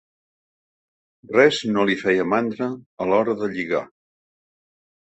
Res no li feia mandra a l'hora de lligar.